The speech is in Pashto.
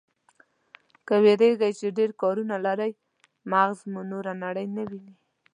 که وېرېږئ چې ډېر کارونه لرئ، مغز مو نوره نړۍ نه ويني.